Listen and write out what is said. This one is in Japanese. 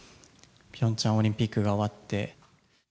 ピョンチャンオリンピックが終わって。